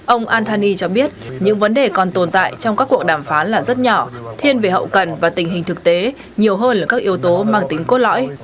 ông antani cho biết những vấn đề còn tồn tại trong các cuộc đàm phán là rất nhỏ thiên về hậu cần và tình hình thực tế nhiều hơn là các yếu tố mang tính cốt lõi